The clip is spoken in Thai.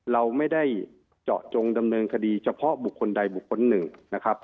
เราไม่ได้เจาะจงดำเนินคดีเฉพาะบุคคลใดบุคคลหนึ่งนะครับ